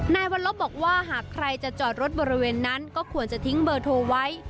นายวัลลบบอกว่าหากใครจะจอดรถบริเวณนั้นก็ควรจะทิ้งเบอร์โทรไว้